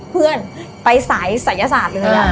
เพื่อนไปสายศัยศาสตร์เลย